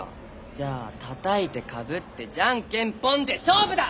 じゃあ「たたいてかぶってじゃんけんぽん」で勝負だ！